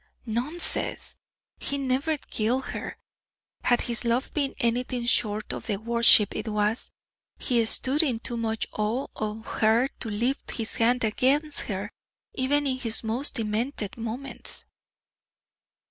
"Nonsense! he never killed her. Had his love been anything short of the worship it was, he stood in too much awe of her to lift his hand against her, even in his most demented moments."